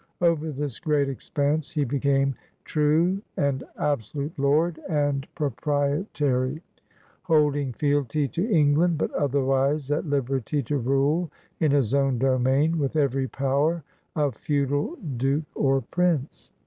Over this great expanse he became "'true and absolute lord and proprie 120 PIONEERS OP THE OLD SOUTH tary, " holding fealty to England, but otherwise at liberty to rule in his own domain with every power of feudal duke or prince.